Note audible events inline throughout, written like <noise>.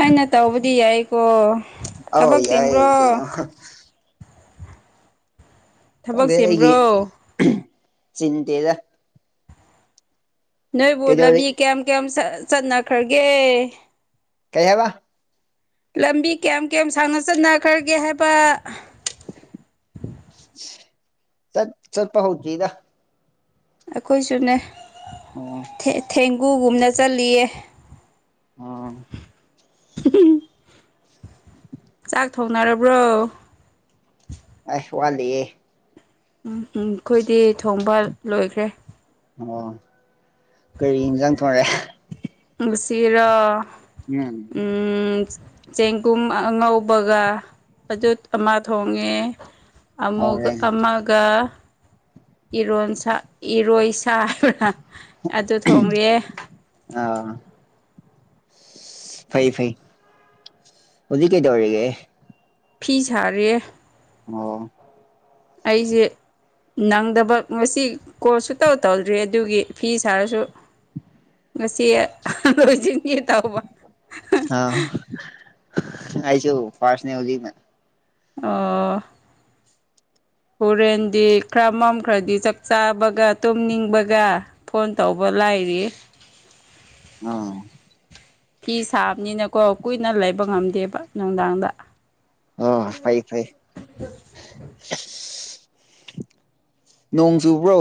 ꯑꯩꯅ ꯇꯧꯕꯗꯤ ꯌꯥꯏꯀꯣ ꯑꯥꯎ ꯊꯕꯛ ꯌꯥꯏ ꯆꯤꯟꯕ꯭ꯔꯣ ꯀꯩꯅꯣ ꯊꯕꯛ ꯁꯦꯝꯕ꯭ꯔꯣ ꯆꯤꯇꯗ ꯅꯣꯏꯕꯨ ꯂꯝꯕꯤ ꯀꯌꯥꯝ ꯀꯌꯥꯝ ꯆꯠꯅꯈ꯭ꯔꯒꯦ ꯀꯩ ꯍꯥꯏꯕ ꯂꯝꯕꯤ ꯀꯌꯥꯝ ꯀꯌꯥꯝ ꯁꯥꯡꯅ ꯆꯠꯅꯈ꯭ꯔꯒꯦ ꯍꯥꯏꯕ ꯆꯠ ꯁꯜꯄ ꯍꯧ ꯆꯗ ꯑꯩꯈꯣꯏꯁꯨꯅꯦ ꯑꯣ ꯊꯦꯡꯒꯨꯒꯨꯝꯅ ꯆꯜꯂꯤꯠꯂꯤꯌꯦ ꯑꯥ ꯎꯝ ꯆꯥꯛ ꯊꯣꯡꯅꯔꯕ꯭ꯔꯣ ꯑꯁꯨ ꯋꯥꯍꯂꯤꯌꯦ ꯎꯝ ꯎꯝ ꯑꯩꯈꯣꯏꯗꯤ ꯊꯣꯡꯕ ꯂꯣꯏꯈ꯭ꯔꯦ ꯑꯣ ꯀꯔꯤ ꯌꯦꯟꯖꯥꯡ ꯊꯣꯡꯉꯦ ꯄꯨꯁꯤꯔꯣ ꯎꯝ ꯆꯦꯡꯒꯨꯝ ꯑꯉꯧꯕꯒ ꯑꯗꯨꯖꯠ ꯑꯃ ꯊꯣꯡꯉꯦ ꯑꯃ ꯍꯥꯎꯔꯦ ꯑꯃꯒꯔꯣꯟ ꯏꯔꯣꯏ ꯁꯥꯕ꯭ꯔꯥ ꯑꯗꯨ ꯊꯣꯡꯉꯦ ꯑ ꯐꯩ ꯐꯩ ꯍꯧꯖꯤ ꯀꯦꯇ ꯋꯥꯒꯦ ꯐꯤ ꯁꯥꯔꯤꯌꯦ ꯑꯣ ꯑꯩꯁꯦ ꯅꯪꯗꯕ ꯉꯁꯤ ꯀꯣ ꯁ ꯇꯧ ꯇꯧꯗ꯭ꯔꯤ ꯑꯗꯨꯒꯤ ꯐꯤ ꯁꯥꯔꯁꯨ <inaudible> ꯉꯁꯤ ꯂꯣꯏꯁꯤꯟꯒꯦ ꯇꯧꯕ ꯍꯥꯏꯥꯏ ꯆ ꯐꯥꯁꯅꯦ ꯍꯧꯖꯤꯛꯅꯥ ꯑꯣ ꯍꯣꯔꯦꯟꯗꯤ ꯈꯔ ꯃꯝ ꯈ꯭ꯔꯗꯤ ꯆꯥꯛ ꯆꯥꯕꯒ ꯇꯨꯝꯅꯤꯡꯕꯒ ꯐꯣꯟ ꯇꯧꯕ ꯆꯂꯥꯏꯔꯤ ꯑꯥ ꯐꯤ ꯁꯥꯕꯅꯤꯅꯀꯣ ꯀꯨꯏꯅ ꯂꯩꯕ ꯉꯝꯗꯦꯕ ꯅꯨꯡꯗꯥꯡꯗ ꯑ ꯐꯩ ꯐꯩ ꯅꯣꯡ ꯆꯨꯕ꯭ꯔꯣ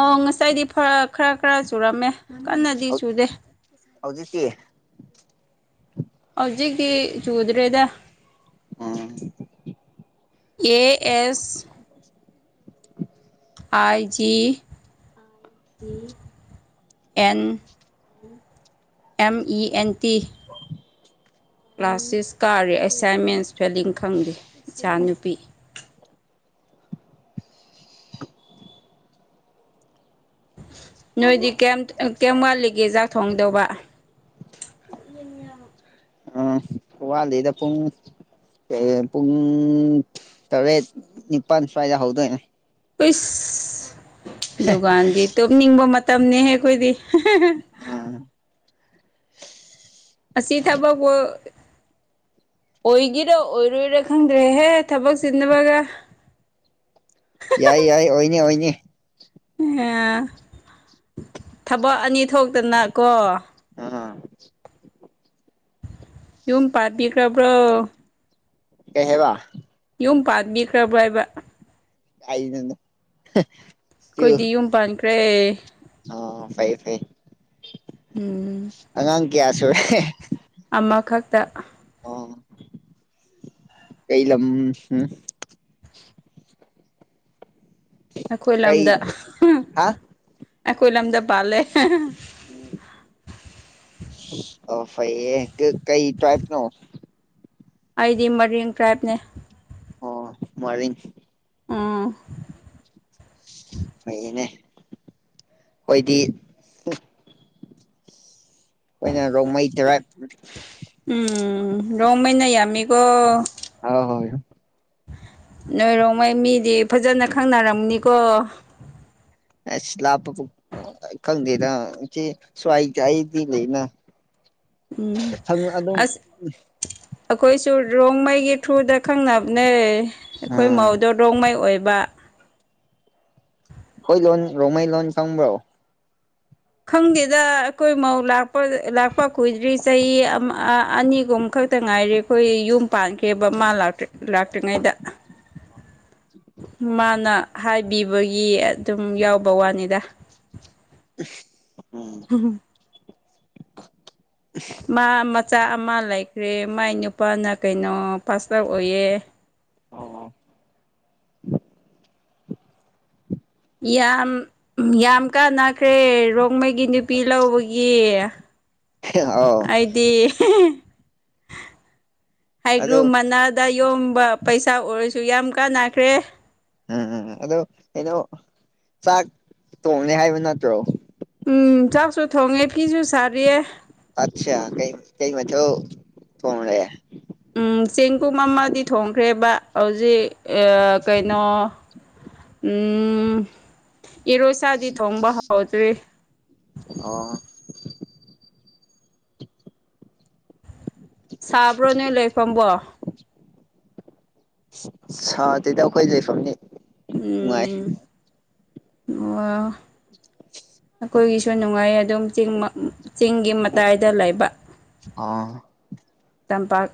ꯑ ꯉꯁꯥꯏꯗꯤ ꯈꯔ ꯈꯔ ꯆꯨꯔꯝꯃꯦ ꯀꯅꯗꯤ ꯆꯨꯗꯦ ꯍꯧꯖꯤꯛꯇꯤ ꯍꯧꯖꯤ ꯀ ꯆꯨꯖꯔꯦꯗ ꯎꯝ A S <inaudible> ꯑꯥꯏꯖꯤ N M E N T <inaudible> class six ꯀꯥꯔꯤ ꯑꯦꯁꯥꯏꯟꯃꯦꯟꯁ ꯐꯦꯂꯤꯡ ꯈꯪꯗꯦ ꯏꯆꯥ ꯅꯨꯨꯄꯤ ꯅꯣꯏꯗꯤ ꯀꯦꯝꯋꯥꯂꯤꯒꯤ ꯆꯥꯛ ꯊꯣꯡꯗꯧꯕ - <inaudible> ꯋꯥꯠꯂꯤꯗ ꯄꯨꯡ ꯄꯨꯡ ꯇꯔꯦꯠ ꯅꯤꯄꯥꯜ ꯁ꯭ꯋꯥꯏꯗ ꯍꯧꯗꯣꯏꯅꯦ ꯍꯁ ꯗꯨꯀꯥꯟꯗꯤ ꯇꯣꯛꯅꯤꯡꯕ ꯃꯇꯝꯅꯤꯍꯦ ꯑꯩꯈꯣꯏꯗꯤ <unintelligible> <unintelligible> ꯎꯝ ꯑꯁꯤ ꯑꯁꯤ ꯊꯕꯥꯛ ꯄꯨ ꯑꯣꯏꯒꯤꯦꯔ ꯑꯣꯏꯔꯣꯏꯔ ꯈꯪꯗ꯭ꯔꯦꯍꯦ ꯊꯕꯛ ꯆꯤꯟꯅꯕꯒ <inaudible> ꯌꯥꯏ ꯌꯥꯏ ꯑꯣꯏꯅꯤ ꯑꯣꯏꯅꯤ ꯑꯦ ꯊꯕꯛ ꯑꯅꯤ ꯊꯣꯛꯇꯅꯀꯣ ꯑꯥ ꯌꯨꯝ ꯄꯥꯄꯤꯒ꯭ꯔꯕ꯭ꯔꯣ ꯀꯩꯍꯥꯏꯕ ꯌꯨꯝ ꯄꯥꯟꯕꯤꯈ꯭ꯔꯕ꯭ꯔ ꯍꯥꯏꯕ ꯑꯩꯅꯅ ꯑꯩꯈꯣꯏꯗꯤ ꯌꯨꯝ ꯄꯥꯟꯈ꯭ꯔꯦ ꯑꯣ ꯐꯩ ꯐ ꯎꯝ ꯀꯌꯥꯁꯨ ꯑꯃꯈꯛꯇ ꯀꯩ ꯂꯝ ꯑꯩꯈꯣꯏ ꯀꯩ ꯂꯝꯗ ꯍꯥ ꯑꯩꯈꯣꯏ ꯂꯝꯗ ꯄꯥꯜꯂꯦ <inaudible> ꯑꯣ ꯐꯩꯌꯦ ꯀꯩ ꯇ꯭ꯔꯥꯏꯞꯅꯣ ꯑꯩꯗꯤ ꯃꯔꯤꯡ ꯇ꯭ꯔꯥꯏꯞꯅꯦ ꯑꯣ ꯃꯔꯤꯡ ꯎꯝ ꯐꯩꯅꯦ ꯍꯣꯏꯗꯤ ꯑꯩꯈꯣꯏꯅ ꯔꯣꯡꯃꯩ ꯇꯔꯥꯞ ꯃꯩꯅ ꯃꯥꯝꯃꯤꯒꯣ ꯍ ꯍꯣꯏ ꯅꯣꯏꯔꯣꯡꯉꯩ ꯃꯤꯗꯤ ꯐꯖꯅ ꯈꯪꯅꯔꯝꯅꯤꯀꯣ ꯑ ꯂꯄ ꯈꯪꯅ ꯁꯋꯥꯏ ꯆꯗꯤ ꯂꯩꯅ ꯎꯝ ꯈꯪ ꯑꯗꯨꯝ ꯑꯁ ꯑꯩꯈꯣꯏꯁꯨ ꯔꯣꯡꯃꯩꯒꯤ ꯊ꯭ꯔꯨꯗ ꯈꯪꯅꯕꯅꯦ ꯑꯩꯈꯣꯏ ꯃꯧꯗꯣ ꯔꯣꯡꯃꯩ ꯑꯣꯏꯕ ꯕꯥ ꯍꯣꯏ ꯂꯣꯟ ꯔꯣꯃꯩ ꯂꯣꯟ ꯐꯪꯕ꯭ꯔꯣ ꯈꯪꯗꯦꯗ ꯑꯩꯈꯣꯏ ꯃꯧ ꯂꯥꯛꯄ ꯀꯨꯏꯗ꯭ꯔꯤ ꯆꯍꯤ ꯑꯅꯤꯒꯨꯝ ꯈ ꯈꯛꯇ ꯉꯥꯏꯔꯦ ꯑꯩꯈꯣꯏ ꯌꯨꯝ ꯄꯥꯟꯈꯤꯕ ꯃꯥ ꯂꯥꯛꯇ꯭ꯔꯤꯉꯩꯗ ꯃꯥꯅ ꯍꯥꯏꯕꯤꯕꯒꯤ ꯑꯗꯨꯝ ꯌꯥꯎꯕ ꯋꯥꯅꯤꯗ ꯎ ꯎꯝ ꯃꯥ ꯃꯆꯥ ꯑꯃ ꯂꯩꯈ꯭ꯔꯦ ꯃꯥꯏ ꯅꯨꯄꯥꯅ ꯀꯩꯅꯣ ꯄꯥꯁ ꯑꯥꯎꯠ ꯑꯣꯏꯌꯦ ꯑꯣ ꯌꯥꯝ ꯌꯥꯝ ꯀꯥꯟꯅꯈ꯭ꯔꯦ ꯔꯣꯡꯃꯩꯒꯤ ꯅꯨꯄꯤ ꯂꯧꯕꯒꯤ ꯑꯧ ꯑꯩꯗꯤ ꯑꯗꯣ ꯍꯥꯏꯒ꯭ꯔꯨꯞ ꯃꯅꯥꯗ ꯌꯣꯝꯕ ꯄꯩꯁꯥ ꯑꯣꯏꯔꯁꯨ ꯌꯥꯝ ꯀꯥꯟꯅꯈ꯭ꯔꯦ ꯎꯝꯝ ꯑꯗꯣ ꯀꯩꯅꯣ ꯆꯥꯛ ꯇꯣꯡꯉꯦ ꯍꯥꯏꯕ ꯅꯠꯇ꯭ꯔꯣ ꯎꯝ ꯆꯥꯛꯁꯨ ꯊꯣꯡꯉꯦ ꯐꯤꯁꯨ ꯁꯥꯔꯤꯌꯦ ꯑꯆꯥ ꯀꯩ ꯀꯩ ꯃꯆ ꯐ ꯎꯝ ꯆꯦꯡꯒꯨꯝ ꯑꯃꯗꯤ ꯊꯣꯡꯈ꯭ꯔꯦꯕ ꯍꯧꯖꯤꯛ ꯀꯩꯅꯣ ꯎꯝ ꯏꯔꯣꯏꯁꯥꯗꯤ ꯊꯣꯡꯕ ꯍꯧꯎꯗ꯭ꯔꯤ ꯑꯣ ꯁꯥꯕ꯭ꯔꯣꯅꯦ ꯂꯩꯐꯝꯝꯕꯣ ꯁꯥꯗꯗ ꯑꯩꯈꯣꯏ ꯂꯩꯐꯝꯅꯤ ꯅꯨꯡꯉꯥꯏ ꯎꯝ ꯑꯣ ꯑꯩꯈꯣꯏꯒꯤꯁꯨ ꯅꯨꯡꯉꯥꯏ ꯑꯗꯨꯝ ꯆꯤꯡꯒꯤ ꯃꯇꯥꯏꯗ ꯂꯩꯕ ꯑ ꯇꯝꯄꯥꯛ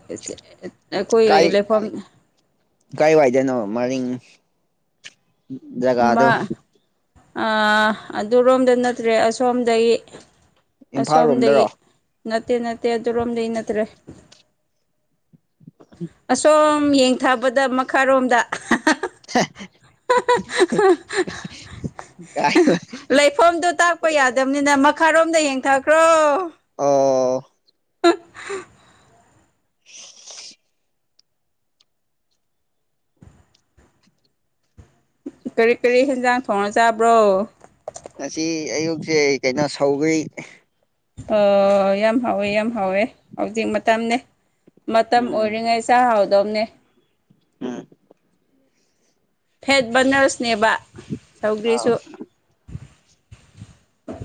ꯑꯩꯈꯣꯏ ꯂꯩꯐꯝ ꯀꯥꯏ ꯋꯥꯏꯗꯅꯣ ꯃꯔꯤꯡ ꯖꯒꯥꯗꯣ ꯑꯃ ꯑꯗꯨꯔꯣꯝꯗ ꯅꯠꯇ꯭ꯔꯦ ꯑꯁꯣꯝꯗꯒꯤ ꯏꯝꯐꯥꯜ ꯑꯁꯣꯝꯗꯒꯤ ꯔꯣꯝꯗꯔꯣ ꯅꯠꯇꯦ ꯅꯠꯇꯦ ꯑꯗꯨꯔꯣꯝꯗꯤ ꯅꯗ꯭ꯔꯦ ꯑꯁꯣꯝ ꯌꯦꯡꯊꯥꯕꯗ ꯃꯈꯥꯔꯣꯝꯗ <unintelligible> ꯂꯩꯐꯝꯗꯣ ꯇꯥꯛꯄ ꯌꯥꯗꯕꯅꯤꯅ ꯃꯈꯥꯔꯣꯝꯗ ꯌꯦꯡꯊꯈ꯭ꯔꯣ ꯑꯣ ꯑ <unintelligible> ꯀꯔꯤ ꯀꯔꯤ ꯌꯦꯦꯟꯖꯥꯡ ꯊꯣꯡꯅ ꯆꯥꯕ꯭ꯔꯣ ꯉꯁꯤ ꯑꯌꯨꯛꯁꯦ ꯀꯩꯅꯣ ꯁꯧꯈꯦ ꯑꯣ ꯌꯥꯝ ꯍꯥꯎꯋꯦ ꯌꯥꯝ ꯍꯥꯎꯋꯦ ꯍꯧꯖꯤꯛ ꯃꯇꯝꯅꯦ ꯃꯇꯝ ꯎꯝ ꯑꯣꯏꯔꯤꯉꯩ ꯆꯥꯛ ꯍꯥꯎꯗꯕꯅꯦ ꯎꯝ ꯐꯦꯠ ꯕꯔꯅꯔꯁꯅꯦꯕ ꯁꯧꯗ꯭ꯔꯤꯁꯨ ꯑꯥꯎ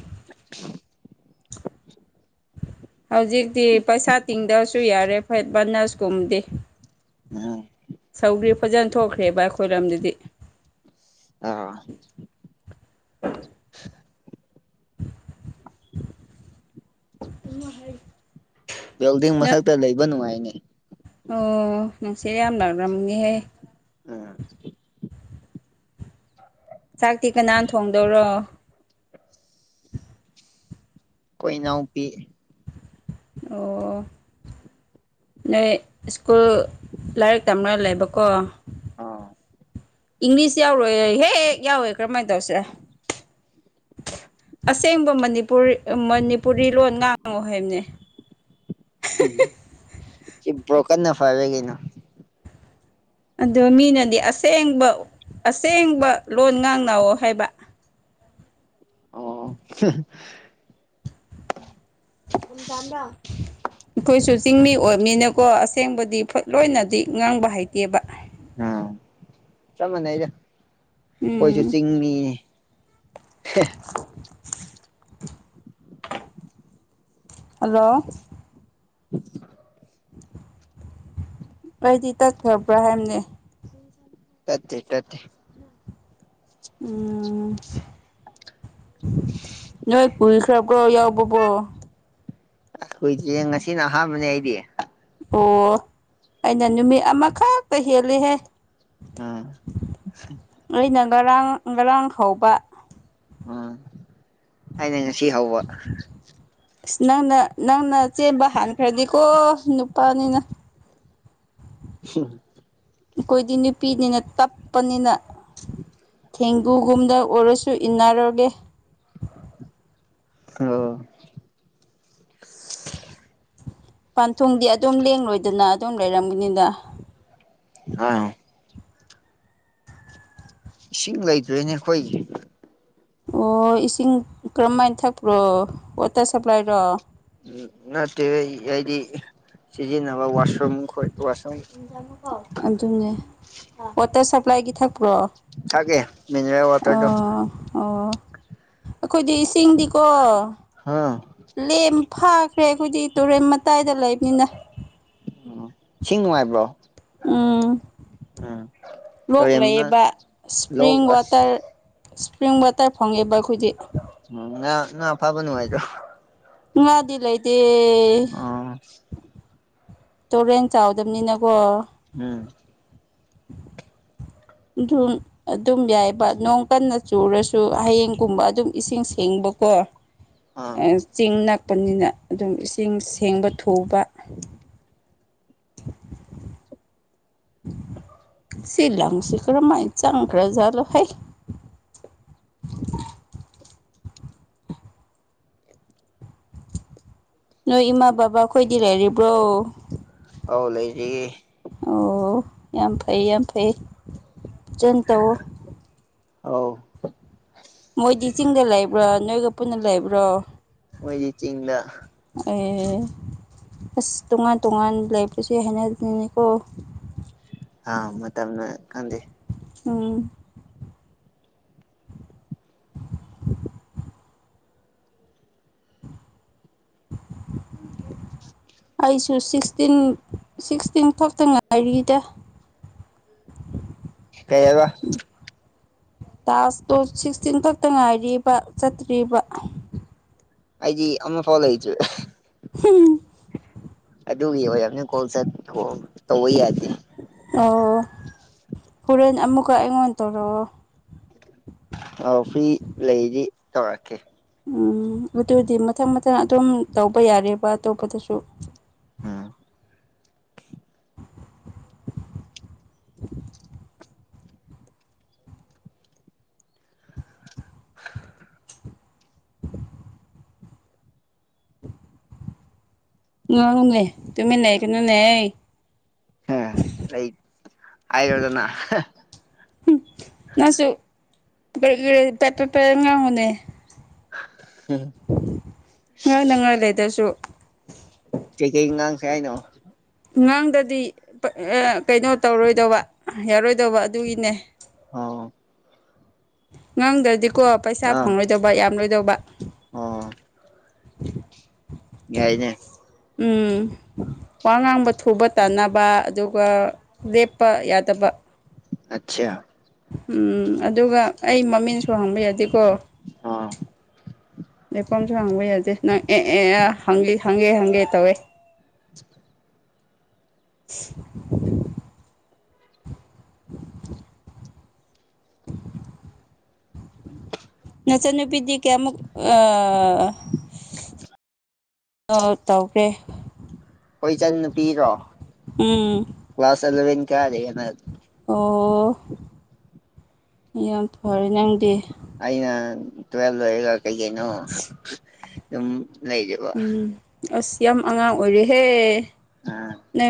<unintelligible> ꯍꯧꯖꯤꯛꯇꯤ ꯄꯩꯁꯥ ꯇꯤꯡꯗꯕꯁꯨ ꯌꯥꯔꯦ ꯐꯦꯠꯚꯅꯁꯀꯨꯝꯗꯤ ꯎꯝ ꯁꯧꯒ꯭ꯔꯤ ꯐꯖꯅ ꯊꯣꯛꯈ꯭ꯔꯦꯕ ꯑꯩꯈꯣꯏꯔꯣꯝꯗꯗꯤ ꯑꯥ ꯎꯃ ꯍꯥꯏ ꯕꯤꯜꯗꯤꯡ ꯃꯊꯛꯇ ꯂꯩꯕ ꯅꯨꯡꯉꯥꯏꯅꯤ ꯑꯣ ꯅꯅꯨꯡꯁꯤꯔꯤ ꯌꯥꯝ ꯂ꯭ꯔꯝꯒꯦꯍꯦ ꯑꯥ ꯆꯥꯛꯇꯤ ꯀꯅꯥꯅ ꯊꯣꯡꯗꯧꯔꯣ ꯀꯣꯏꯅꯥꯎ ꯄꯤ ꯑꯣ ꯅꯣꯏ ꯁ꯭ꯀꯨꯜ ꯂꯥꯏꯔꯤꯛ ꯇꯝꯅ ꯂꯩꯕꯀꯣ ꯑꯝ ꯏꯪꯂꯤꯁ ꯌꯥꯎꯔꯣꯏ ꯍꯦꯛꯦꯛ ꯌꯥꯎꯋꯦ ꯀꯔꯃꯥꯏꯅ ꯇꯧꯁꯦ ꯑꯁꯦꯡꯕ ꯃꯅꯤꯄꯨꯔꯤ ꯃꯅꯤꯄꯨꯔꯤ ꯂꯣꯟ ꯉ ꯋꯥꯍꯩꯕꯅꯦ ꯭ꯔꯣꯀ ꯅ ꯐꯔꯦꯒꯅ ꯑꯗꯣ ꯃꯤꯅꯗꯤ ꯑꯁꯦꯡꯕ ꯑꯁꯦꯡꯕ ꯂꯣꯟ ꯉꯥꯡꯅꯅꯥꯑꯣ ꯍꯥꯏꯕ ꯑ ꯎꯝ ꯇꯝ꯭ꯔ ꯑꯩꯈꯣꯏꯁꯨ ꯆꯤꯡꯃꯤ ꯑꯣꯏꯕꯅꯤꯅꯀꯣ ꯑꯁꯦꯡꯕꯗꯤ ꯂꯣꯏꯅꯗꯤ ꯉꯥꯡꯕ ꯍꯩꯇꯦꯕ ꯎꯝ ꯆꯞ ꯃꯥꯟꯅꯩꯗ ꯑꯩꯣꯏꯁꯨ ꯎꯝ ꯆꯤꯡꯃꯤ <unintelligible> ꯍꯜꯂꯣ <unintelligible> ꯑꯩꯗꯤ ꯇꯠꯈ꯭ꯔꯕ꯭ꯔꯥ ꯍꯥꯏꯕꯅꯦ ꯇꯠꯇꯦ ꯇꯠꯇꯦ ꯎ ꯅꯣꯏ ꯄꯨꯏ ꯈꯔ ꯀ꯭ꯔꯣ ꯌꯥꯎꯕꯕꯣ ꯍꯣꯏꯁꯦ ꯉꯁꯤꯅ ꯑꯍꯥꯟꯕꯅꯦ ꯑꯩꯗꯤ ꯑꯣ ꯑꯩꯅ ꯅꯨꯃꯤꯠ ꯑꯃꯈꯛꯇ ꯍꯦꯜꯂꯦꯍꯦ ꯑꯝ ꯑꯩꯅ ꯉꯔꯥꯡ ꯉꯔꯥꯡ ꯍꯧꯕ ꯎꯝ ꯑꯩꯅ ꯉꯁꯤ ꯍꯧꯕ ꯑꯁ ꯅꯪꯅ ꯅꯪꯅ ꯆꯦꯟꯕ ꯍꯥꯟꯈ꯭ꯔꯗꯤꯀꯣ ꯅꯨꯄꯥꯅꯤꯅ ꯎꯝ ꯑꯩꯈꯣꯏꯗꯤ ꯅꯨꯄꯤꯅꯤꯅ ꯇꯞꯄꯅꯤꯅ ꯊꯦꯡꯒꯨꯒꯨꯝꯗ ꯑꯣꯏꯔꯁꯨ ꯏꯟꯅꯔꯒꯦ ꯑꯣ ꯄꯥꯟꯊꯨꯡꯗꯤ ꯑꯗꯨꯝ ꯂꯦꯡ ꯂꯣꯏꯗꯅ ꯑꯗꯨꯝ ꯂꯩꯔꯝꯒꯅꯤꯗ ꯑꯥ ꯏꯁꯤꯡ ꯂꯩꯇ꯭ꯔꯦꯅꯦ ꯑꯩꯈꯣꯏꯒꯤ ꯑꯣ ꯏꯁꯤꯡ ꯀꯔꯝꯃꯥꯏꯅ ꯊꯛꯄ꯭ꯔꯣ ꯋꯥꯇꯔ ꯁꯄ꯭ꯂꯥꯏꯔꯣ ꯅꯠꯇꯦ ꯍꯥꯏꯗꯤ ꯁꯤꯖꯤꯟꯅꯕ ꯋꯥꯁ ꯋꯥꯇꯔ ꯁꯄ꯭ꯂꯥꯏ ꯀ ꯊ ꯭ꯔꯣ ꯊꯛꯑꯦ ꯃꯤꯅꯔꯦꯜ ꯑ ꯋꯥꯇꯔꯗꯣ ꯑꯣ ꯑꯩꯈꯣꯏꯗꯤ ꯏꯁꯤꯡꯗꯤꯀꯣ ꯑꯥ ꯂꯦꯝ ꯐꯥꯈ꯭ꯔꯦ ꯑꯩꯈꯣꯏꯗꯤ ꯇꯨꯔꯦꯟ ꯃꯇꯥꯏꯗ ꯂꯩꯕꯅꯤꯅ ꯎ ꯁꯤꯡ ꯅꯨꯡꯉꯥꯏꯕ꯭ꯔꯣ ꯎꯝ ꯎꯝ ꯂꯣꯛ ꯇꯨꯔꯦꯟ ꯃꯅꯥꯛ ꯂꯩꯕ ꯂꯣꯛ ꯏꯁꯄ꯭ꯔꯤꯡ ꯑꯁ ꯋꯥꯇꯔ ꯅꯪ ꯚꯣꯇꯔ ꯋꯥꯇ ꯐꯉꯦꯕ ꯉꯥ ꯉꯥ ꯐꯥꯕ ꯅꯨꯡꯉꯥꯏꯗꯔꯣ ꯉꯗꯤ ꯂꯥꯏꯗꯤꯌꯦ ꯑꯥ ꯇꯨꯔꯦꯟ ꯆꯥꯎꯗꯕꯅꯤꯅꯀꯣ ꯎꯝ ꯑꯗꯨ ꯑꯗꯨꯝ ꯌꯥꯏꯕ ꯅꯣꯡ ꯀꯟꯅ ꯆꯨꯔꯁꯨ ꯍꯌꯦꯡꯒꯨꯝꯕ ꯑꯗꯨꯝ ꯏꯁꯤꯡ ꯁꯦꯡꯕ ꯀꯣ ꯑꯥ ꯆꯤꯡ ꯅꯛꯄꯅꯤꯅ ꯑꯗꯨꯝ ꯏꯁꯤꯡ ꯁꯦꯡꯕ ꯊꯨꯕ ꯑꯟꯏꯟꯇꯦꯜꯂꯤꯖꯦꯕꯜ ꯁꯤ ꯂꯪꯁꯤ ꯀꯔ ꯃꯥꯥꯏ ꯆꯥꯡꯀ꯭ꯔꯂ ꯍꯥꯏ ꯑꯟꯑꯣꯗꯤꯕꯜ ꯅꯣꯏ ꯏꯃꯥ ꯕꯕꯥ ꯑꯩꯈꯣꯏꯗꯤ ꯂꯩꯔꯤꯕ꯭ꯔꯣ ꯑꯧ ꯂꯩꯔꯤꯌꯦ ꯑꯣ ꯌꯥꯝ ꯐꯩ ꯌꯥꯝ ꯐꯩ ꯐꯖꯅ ꯇꯧꯑꯣ ꯑꯧ ꯃꯣꯏꯗꯤ ꯆꯤꯡꯗ ꯂꯩꯕ꯭ꯔꯣ ꯅꯣꯏꯒ ꯄꯨꯟꯅ ꯂꯩꯕ꯭ꯔꯣ ꯃꯣꯏꯗꯤ ꯆꯤꯡꯗ ꯑꯦ ꯑꯁ ꯇꯣꯉꯥꯟ ꯇꯣꯉꯥꯟ ꯂꯩꯕꯁꯨ ꯌꯥ ꯍꯥꯏꯅꯅꯤꯡꯅꯤꯀꯣ ꯑꯥ ꯃꯇꯝꯅ ꯈꯪꯗꯦ ꯎꯝ ꯑꯟꯑꯣꯗꯤꯕꯜ ꯑꯩꯁꯨ ꯁꯤꯛꯁꯇꯤꯟ ꯁꯤꯛꯁꯇꯤꯟ ꯊꯣꯛꯇ ꯉꯥꯏꯔꯤꯗ ꯑꯟꯑꯣꯗꯤꯕꯜ ꯀꯩ ꯍꯥꯢꯕ ꯇꯥꯁ ꯇꯨ ꯁꯤꯛꯁꯇꯤꯟ ꯈꯛꯇ ꯉꯥꯏꯔꯤꯕ ꯆꯠꯇ꯭ꯔꯤꯕ ꯑꯩꯖꯤ ꯑꯃꯃ ꯐꯜ ꯍꯆ ꯊꯤꯟ ꯀꯒꯤ ꯀꯣ ꯇ ꯌꯥꯗꯦ ꯍꯣꯔꯅ ꯑꯃꯃꯨꯀ ꯏꯉꯣꯟ ꯇꯔꯣ ꯑꯥꯎ ꯐꯤ ꯂꯩꯗꯤ ꯊꯧꯔꯀꯦ ꯎꯝ ꯑꯗꯨꯗꯤ ꯃꯊꯪ ꯃꯊꯪ ꯑꯗꯨꯝ ꯇꯧꯕ ꯌꯥꯔꯦꯕ ꯑꯇꯣꯞꯄꯗꯁꯨ ꯎꯝ ꯑꯟꯏꯟꯇꯦꯜꯂꯤꯖꯦꯕꯜ ꯑꯟꯑꯣꯗꯤꯕꯜ ꯑꯟꯑꯣꯗꯤꯕꯜ ꯉꯥꯡꯉꯨꯅꯦ ꯇꯃꯤꯟ ꯂꯩ ꯒꯅꯨ ꯅꯦ ꯍꯥ ꯂꯩ ꯍꯥꯏꯔꯣꯗꯅ ꯍꯝ ꯅꯪꯁꯨ ꯀꯔꯤ ꯀꯔꯤ ꯄꯦ ꯄꯦꯄ ꯉꯥꯡꯉꯨꯅꯦ ꯉ ꯅꯪ ꯂꯩꯗꯁꯨ ꯆ ꯀ ꯉꯥꯡꯁꯦ ꯍꯥꯏꯥꯏꯅꯦ ꯉꯥꯡꯗꯗꯤ ꯀꯩꯅꯣ ꯇꯧꯔꯣꯏꯗꯧꯕ ꯌꯥꯔꯣꯏꯗꯧꯕ ꯑꯗꯨꯒꯤꯅꯦ ꯑꯣ ꯉꯪꯗ꯭ꯔꯗꯤꯀꯣ ꯄꯩꯁꯥ ꯐꯪꯔꯣꯏꯗꯧꯕ ꯌꯥꯝꯂꯣꯏꯗꯧꯕ ꯑ ꯎꯝ ꯋꯥꯉꯥꯡꯝꯕ ꯊꯨꯕ ꯇꯥꯟꯅꯕ ꯑꯗꯨꯒ ꯂꯦꯞꯄ ꯌꯥꯗꯕ ꯑꯆꯥꯆꯥ ꯎꯝ ꯑꯗꯨꯒ ꯑꯩ ꯃꯃꯤꯡꯁꯨ ꯍꯥꯡꯕ ꯌꯥꯗꯦꯀꯣ ꯑꯣ ꯂꯩꯐꯝ ꯍꯥꯡꯕ ꯌꯥꯁꯦ ꯅꯪ ꯑꯦ ꯑꯦ ꯍꯪ ꯍꯪꯒꯦ ꯍꯪꯒꯦ ꯇꯧꯋꯦ <unintelligible> <unintelligible> <unintelligible> <unintelligible> ꯎꯝ ꯅꯆꯟꯅꯨꯄꯤꯗꯤ ꯀꯌꯥꯃꯨꯛ ꯇꯧꯈ꯭ꯔꯦ ꯑꯩꯣꯏ ꯏꯆꯟ ꯅꯨꯄꯤꯔꯣ ꯎꯝ ꯀ꯭ꯂꯥꯁ ꯑꯦꯂꯚꯦꯟ ꯈꯌꯥꯗꯒꯤꯅ ꯑꯣ ꯌꯥꯝ ꯐꯔꯦ ꯅꯪꯗꯤ ꯑꯩꯅ ꯇ꯭ꯋꯦꯜ ꯍꯂ ꯀꯩꯅꯣ ꯂꯩꯔꯤꯕ ꯎꯝ ꯑꯁ ꯌꯥꯝ ꯑꯉꯥꯡ ꯑꯣꯏꯔꯦꯍꯦ ꯎꯝ ꯅ